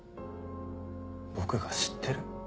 僕が知ってる？